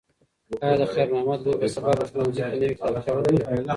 ایا د خیر محمد لور به سبا په ښوونځي کې نوې کتابچه ولري؟